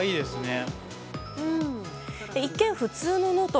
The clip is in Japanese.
一見、普通のノート。